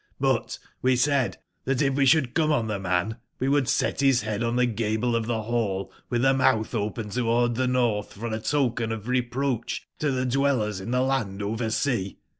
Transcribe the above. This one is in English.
But we said tbat if we sbould come on tbe man, we would set bis bead on tbe gable of tbe ball witb tbe moutb open toward tbe JVortb for a token of reproacb to tbe dwellers in tbe land over sea.